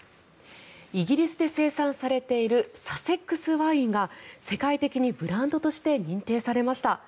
イギリスで生産されているサセックス・ワインが世界的にブランドとして認定されました。